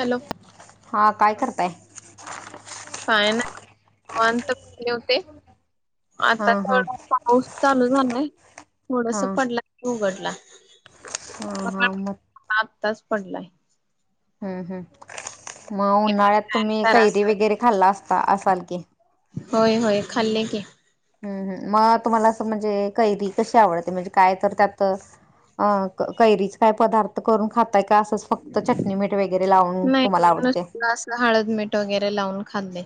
Hello हा काय करताय काय ना ंत होते हा आता हा थोडा पाऊस चालू झालाय हा थोडस पडला उघडला हा हा मग सकाळपासून आत्ताच पडलाय हम्म हम्म मग ते पण उन्हाळ्यात काय तुम्ही कैरी जरासं. वगैरे खाल्ला असता असाल की होय होय खाल्ले की हम्म हम मग तुम्हाला असं म्हणजे कैरी कशी आवडते म्हणजे काय तर त्यात अ कैरीच काय पदार्थ करून खात का अस फक्त चटणी मीठ वगैरे लावून नाही तुम्हाला आवडते नुसत असं हळद मीठ वगैरे लावून खाल्ले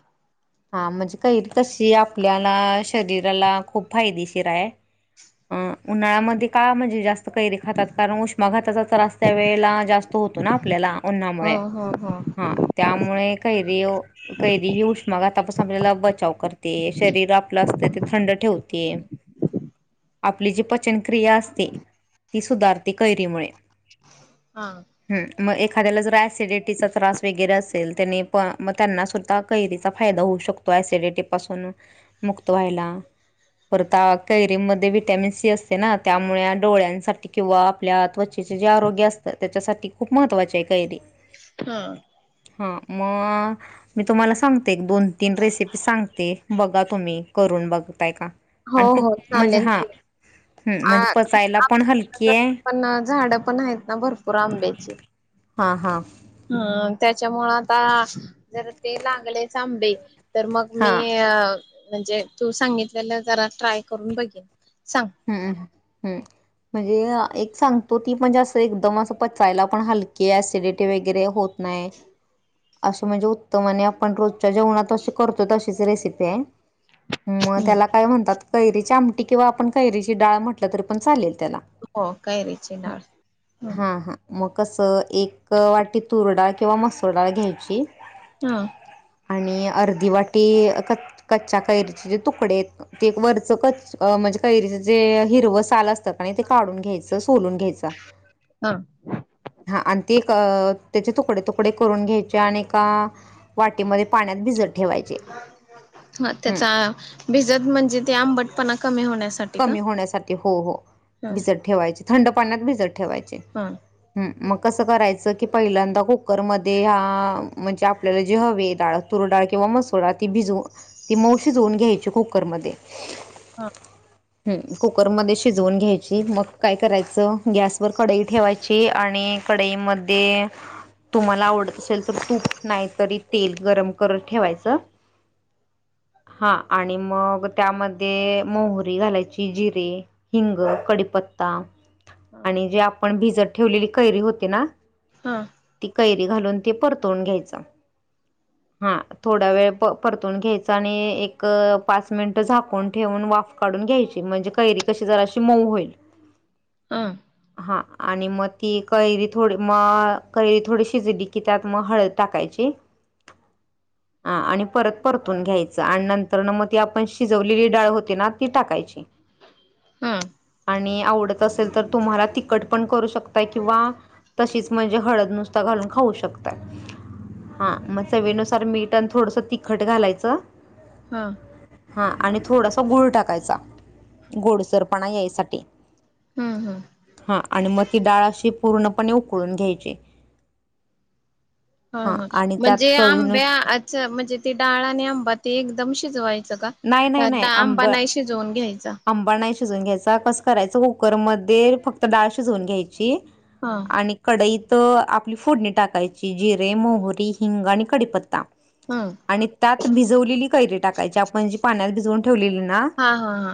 हा म्हणजे काही कशी आपल्याला शरीराला खूप फायदेशीर आहे अं उन्हाळ्यामध्ये का म्हणजे जास्त कैरी खातात कारण उष्माघाताचा तर अस्या वेळेला जास्त होतो ना आपल्याला हो उननामुळे हो हो हा त्यामुळे कैरी कैरी होऊ शक मग आतापासून आपल्याला बचाव करते शरीर आपलं असतं ते थंड ठेवते आपली जे प पचन क्रिया असते ती सुधारते कैरीमुळे हा मग एखाद्याला जर ऍसिडिटीचा त्रास वगरे असेल त्यानी प मग त्यांना सुद्धा कैरी फायदा होऊ शकतो ऍसिडिटी पासून मुक्त व्हायला परता कैरीमध्ये विटॅमिन सी असते ना त्यामुळे डोळ्यांसाठी किंवा आपल्या त्वचे त्या जे आरोग्य असतं त्याच्यासाठी खूप महत्त्वाचे आहे कैरी हा हा मग मी तुम्हाला सांग एक दोन तीन रेसिपी सांगते बघा तुम्ही करून बघताय का हो आणि खूप हो म्हणजे चालेल हा हम्म आ म्हणजे पचायला पण हलकी आमच्या आहे पण झाडं पण येत ना बर पुराम बेच हां हां हम् त्याच्यामुळं आता जर ते लागलेच आंबे तर मग मी हां म्हणजे तू सांगितलेला जरा ट्राय करून बघेन सांग हम्मम हम्म म्हणजे एक सांगतो ती म्हणजे अस एकदम अस पचायला पण हलके सिडटेग वगैरे होत नाही असं म्हणजे उत्तम आणि आपण रोजच्या जेवणात अशी करतो अशीच रेसिपी आहे मग हम्म त्याला काय म्हणतात कैरीची आमटी किंवा आपण कैरीची डाळ म्हटलं तरी पण चालेल हो कैरीची डाळ हा हा कसं एक वाटी तूर डाळ किंवा मसूर डाळ घ्यायची हा आणि अर्धी वाटी कच कच्च्या कैरीचे जे तुकडे आहेत ते वरचं कच्च म्हणजे कैरीच जे हिरव साल असतं का नाही ते काढून घ्यायचं सोलून घ्यायच हा हा आणि ते अ त्याचे तुकडे तुकडे करून घ्यायचे आणि एका वाटीमध्ये पाण्यात भिज ह त्याचा भिजत म्हणजे ते आंबटपणा कमी होण्यासाठी का कमी होण्यासाठी हो हो ह भिजत ठेवायचे थंड पाण्यात भिजत ठेवायचे् हा मग कसं करायचं की पहिल्यांदा कुकर मध्ये हा म्हणजे आपल्याला जे हवे डाळ तूरडाळ किंवा मसुरडा ती भिजून ति मंऊ शिजवून घ्यायची कुकरमध्ये हा ह् कुकरमध्ये शिजवून घ्यायची मग काय करायचं गॅस वर कडाई ठेवायची आणि कडईमध्ये तुम्हाला आवड असल तर तूप नाही तरी तेल गरम करत ठेवायचं हा आणि मग त्यामध्ये मोहरी घालायची जिरे, हिंग, कढीपत्ता, हा आणी जे आपण भिज त ठेवलेली कैरी होती ना हा ती कैरी घालून ते परतून घ्यायच. ह [inaudible] हा थोडा वेळ प परतून घ्यायचा आणि एक पाच मिनिटं झाकून ठेवून वाफ काढून घ्यायची. म्हणजे कैरी कशी जराशी मऊ होईल हा. आणि मग ती कैरी थोडी मग कैरी थोडी शिजली की त्यात मग हळद टाकायची. [inaudible] हा आणि परत परतून घ्यायचं आणि नंतर ना मग ती आपण शिजवलेली डाळ होती ना ती टाकायची. हम आणि आवडत असेल तर तुम्हाला तिखट पण करू शकता किंवा तशीच म्हणजे हळद नुसता घारून. खाऊ शकता हा मग चवीनुसार मीठ आणि थोडंस ति खट घालायचं हा हां आणि थोडासा गूळ टाकायचा. गोडसरपणा यायसाठी हम्म हम्म हा आणि मग ती डाळ अशी पूर्णपणे उकळून घ्यायचे. हा हा म्हणजे आंब्याच म्हणजे ते डाळ आणि आंबा ते एकदम शिजवाय च का? नाही नाही ह्यात नाही आंब आंबा नाही शिजवून घ्यायच आंबा नाही शिजवून घ्यायचा कसं करायचं कुकरमध्ये फक्त डाळ शिजवून घ्यायची. हा आणि कडई त आपली फोडणी टाकायची. जिरे, मोहरी, हिंग आणि कढीपत्ता हम् आणि त्यात भिजवलेली कैरी टाकायची आपण जी पाण्यात भिजवून ठेवलेली ना. हा हा हा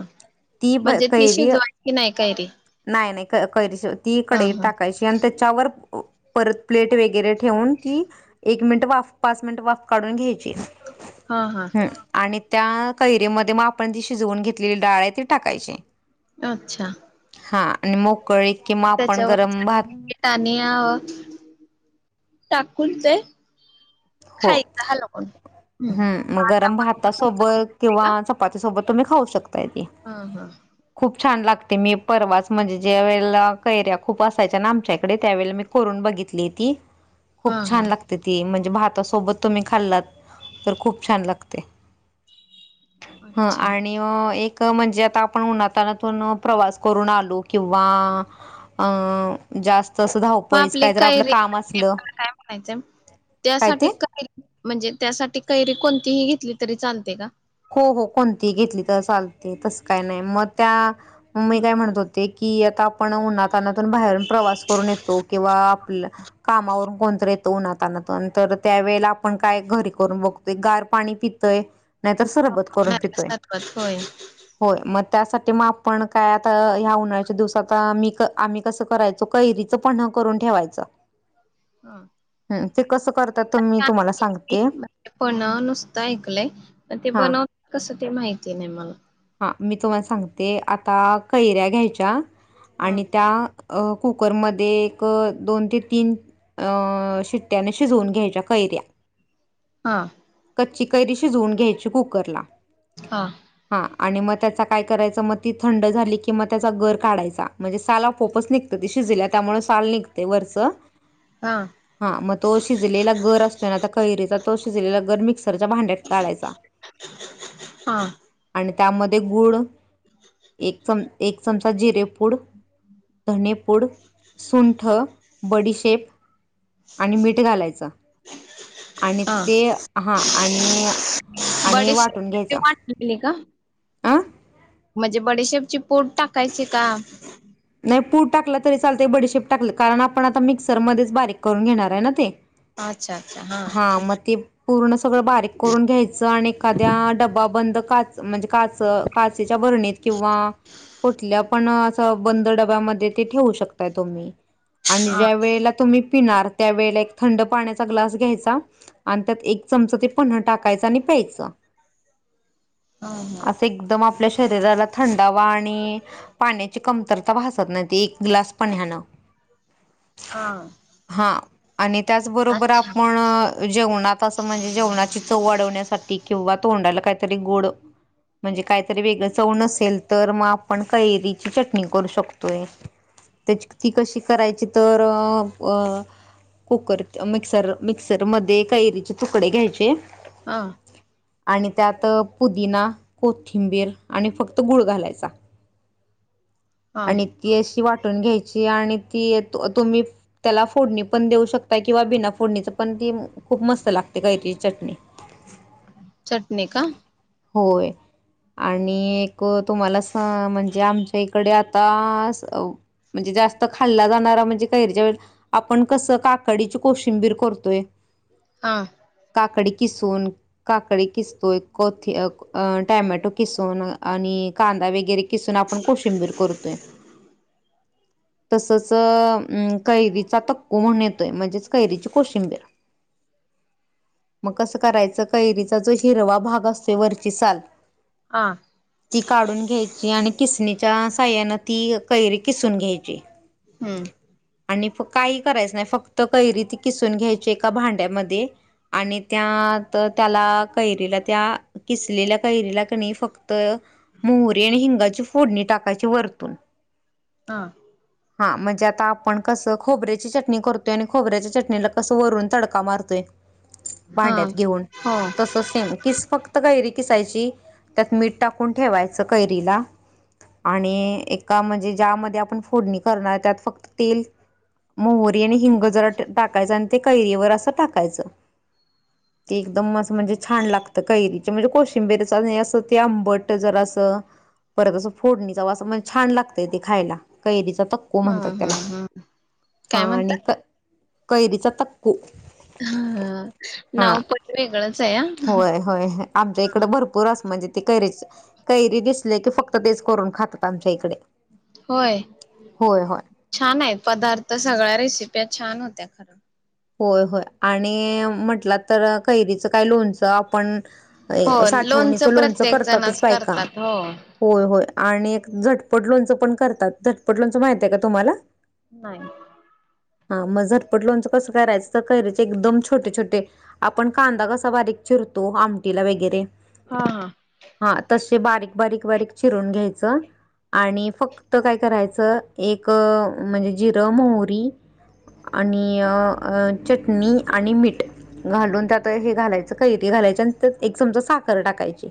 ती ब म्हणजे ती कैरी शिजवायची नाही कैरी नाही नाही कैरी ती हा कढईत हा टाकायची आणि त्याच्यावर परत प्लेट वगैरे ठेवून ती एक मिनिट वाफ पाच मिनिट वाफ काढून घ्याय ची हा हा आणि त्या कैरीमध्ये मग आपण शिजवून घेतलेली डाळ ते टाकायचे अच्छा हा आणि मग मोकळी कि आपण त्याच्यावर गरम भात मिठ आणि अ टाकून ते खायच हालवून. हम मग गरम भातासोबत किंवा चपातीसोबत तुम्ही खाऊ शकता. ते हा हा खूप छान लागते मी परवाच म्हणजे ज्या वेळेला कैर्या खूप असायच्या ना आमच्या इकडे त्या वेळेळा मी करून बघित ली ती हा खूप छान हा लागते ती म्हणजे भातासोबत तुम्ही खाल्लात. तर खूप छान लागते. ह अच्छा आणि एक म्हणजे आता आपण उन्हा तान्हातून प्रवास करून आलो किंवा जास्त असं मग धावपळीच आपली काय तर आपलं कैरी काम काय असलं म्हणायचं काय त्यासाठी ते कैरी म्हणजे त्यासाठी कैरी कोणतीही घेतली तरी चालते का? हो हो कोणती घेतली तर चालते तस काय नाही मग त्या म मी काय म्हणत होते की, कि आता आपण उन्हातानातून बाहेरून प्रवास करून येतो किंवा आपल्या कामावरून कोणतरी येत. उन्हाळ्यातून तर त्या वेळेला आपण काय घरी करून बघतोय गार पाणी पितोय. नाही तर सरबत करून नारळ पितोय सरबत होय होय मग त्यासाठी मग आपण काय आता ह्या उन्हाळ्याच्या दिवसात मी क आम्ही कसं करायचो कैरीचं पन्ह करून ठेवायच. हा तर मी तुम्हाला सांगते. पन्ह नुसत ऐकलंय ते हां, बनवत कसं ते माहिती नाही मला हा मी तुम्हाला सांगते आता कैऱ्या घ्यायच्या हा आणि त्या कुकरमध्ये एक दोन ते तीन अ शिट्टयाने शिजवून घ्यायच्या कैर्या हा कैरी शिजवून घ्यायची कुकर ला हा आणि मग त्याचा काय करायचं मग ती थंड झाली की मग त्याचा गर काढायचा म्हणजे सालाव पोपच निघतं ति त्यामुळे साल निघते वरच हा हा मग तो शिजलेला गर असतोय ना आ कैरीचा तो शिजलेला र मिक्सरच्या भांड्यात काढायचा हा आणि त्यामध्ये गुड एक चम एक चमचा जिरे ूड धणेपूड सुंठ बडीशेप आणि मीठ घालायचं आणि हा ते हा आणि आणि वाटून बडीशेपची घ्यायचा वाटलेली का आ म्हणजे बडेशेपची पोट टाकायचे का पूर टाकला तरी चालते बडीशेप टाकलं कारण आपण आता मिक्सर मध्येच बारीक करून घेणार आहे ना ते अच्छा हा मग ते पूर्ण सगळं बारीक करून घ्यायचं आणि एखाद्या डबबा बंद काच म्हणजे काच काचेच्या वरणीत किंवा कुठल्या पण असं बंद डब्यामध्ये ते ठेवू शकताय तुम्ही आणि हा ज्या वेळेला तुम्ही पिणार त्यावेळेला एक थंड पाण्याचा ग्लास घ्याय आणि त्यात एक चमच ते पन टाकायच आणि प्यायच हा हा असं एकदम आपल्या शरीराला थंडावा आणि पाण्याची कमतरता भासत नाही एक ग्लास पण यानं हा हा आणि त्याचबरोबर आ अच्छा जेवणात अस म्हणजे जेवणाची चव वाढवण्यासाठी किंवा तोंडाला काहीतरी गोड म्हणजे काहीतरी वेगळ चव नसेल तर मग आपण कैरीची चटणी करू शकतोय त्याची ती कशी करायची तर कुकर मिक्सर मिक्सर मध्ये कैरीचे तुकडे घ्यायचे हा आणि त्यात पुदिना कोथिंबीर आणि फक्त गुळ घालायचा हा आणि ती अशी वाटून घ्यायची आणि ती तुम्ही त्याला फोडणी पण देऊ शकता किंवा बिना फोडणीच पण ती खूप मस्त लागते कै चटणी चटणी का? होय आणि एक तुम्हाला म्हणजे आमच्या इकडे आता म्हणजे जास्त खाल्ला जाणारा म्हणजे कैरच्या वे आपण कसं काकडीची कोशिंबीर करतो ते हा काकडी किसून काकडी किसतो एक कोथ टमॅटो किसून आणि कांदा वगैरे किसून आपण कोशिंबीर करतोय तसच कैरीचा तक्कू म्हण येतोय म्हणजेच कैरीची कोशिंबीर [inaudible] मग कसं करायचं कैरीचा जो हिरवा भाग असतो वरची साल हा ती काढून घ्यायची आणि किसणीच्या साहाय्यानत ती कैरी किसून घ्यायची हम्म आणि काही करायचं नाही फक्त कैरी ती किसून घ्यायची एका भांड्यामध्ये आणि त्या त्याला कैरीला त्या किसलेल्या कैरीला कनी फक्त तर मोहरी आणि हिंगाची फोडणी टाकायची वरतून हा हा म्हणजे आता आपण कसं खोबऱ्याची चटणी करतोय आणि खोबऱ्याच्या चटणीला कसं वरून तडका मारतोय हा भांड्यात घेऊन हो तस सेम किस फक्त गयरी किसायची त्यात मीठ टाकून ठेवायच कैरीलाआणि एका म्हणजे ज्यामध्ये आपण फोडणी त्यात फक्त तेल मोहरी हिंग जरा टाकायच करी वर अस टाकायच एकदम म्हणजे छान लागत कैरी म्हणजे कोशिंबीरीचा अस ते आंबट जर असं परत असं फोडणीचा वास म्हनजे छान लागतय ते खायला कैरीचा को हा म्हणतात हा त्याला हा हा काय म्हणता? आणि कैरीचा तकू हा नाव पण वेगळच हाय होय होय आमच्या इकडे भरपूर म्हणजे ते कैरी कैरी दिसले की फक्त तेच करून खातात आमच्या इकडे होय होय होय छान आहेत पदार्थ सगळ्या रेसिपी त्या छान होत्या खरं होय होय आणि म्हटलं तर कैरीच काय लोणचं आपण हो साठवणीचं लोणचं लोनचं प्रत्येक करतातच जणच बायका करतात हो. होय होय आणि एक झटपट लोणचं पण करतात झटपट लोणचं माहित आहे का तुम्हाला नाही हा मग झटपट लोणचं कसं करायचं तर कैरीच एकदम छोटे छोटे आपण कांदा कसा बारीक चिरतो आमटीला वगैरे हा हा हा तसे बारीक बारीक बारीक चिरून घ्यायचं आणि फक्त काय करायचं एक म्हणजे जिरं मोहरी आणि चटणी आणि मीठ घालून त्यात हे घालायचं कैरी घालायच आणि त्यात एक चमचा साखर टाकायची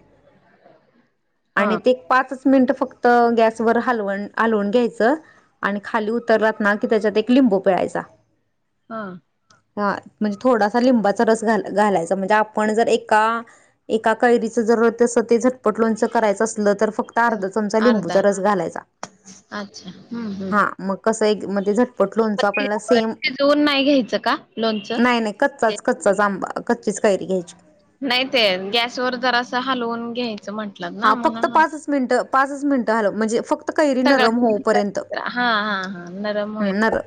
आणि हा ते पाचच मिंट फक्त गॅसवर हालवण हलवून घ्यायच आणि खाली उतरलात ना की तेजात एक लिंब बू पिळायचा. हा हा म्हणजे थोडासा लिंबाचा रस घाल घालायचा म्हणजे आपण जर एका एका कैरीच जर तसं ते झट पट लोणचं करायचं असलं तर फक्त अर्धा चमचा लिंबूचा रस घालायचा. अच्छा हम्म हम्म हा मग कसंय एक मध्ये झटपट लोणचं आपल्याला सेम शिजवून नाही घ्यायचं का लोणचं? नाही नाही कच्चाच कच्चाच आंबा कच्चीच कैरी घ्यायची. नाही ते गॅसवर जरासं हलवून घ्यायचं म्हटलात ना म्हणून म्हनल. मिंट हालव म्हणजे फक्त कैरी नरम होऊपर्यंत सगळं हा हा हा नरम होय नर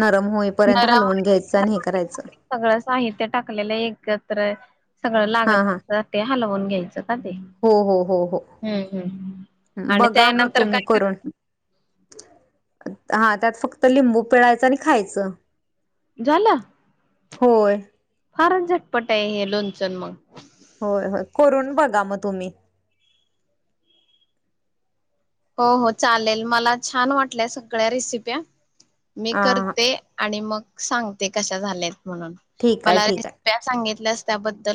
नरम होई पर्यत हलून घ्यायचं नरामध्ये आणि हे करायचं. सगळं साहित्य टाकलेलं एकत्र सगळं हा हा लागण ते हलवून घ्यायचं का ते. हो हो हो हो हम्म हम्म. आणि बघा म त्यानंतर तुम्ही काय करून. कर हा त्यात फक्त लिंबू पिळायच आणि खायचं. झालं होय फारच झटपट आहे हे लोणचन मग. होय होय करून बघा म तुम्ही. हो हो चालेल मला छान वाटल्या सगळ्या रेसिप्या. मी अ करते आणि मग सांगते कशा झाल्यात म्हणून ठीक आहे मला ठीक आहे. रेसिप्या सांगित ल्यास त्याबद्दल